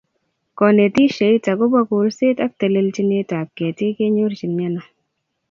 Konetisheit agobo kolset ak telelchinetab ketik kenyorchin ano?